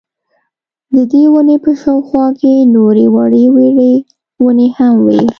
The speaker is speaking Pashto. ددې وني په شاوخوا کي نوري وړې وړې وني هم وې